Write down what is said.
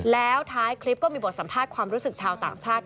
แล้วท้ายคลิปก็มีบทสัมภาษณ์ความรู้สึกชาวต่างชาติ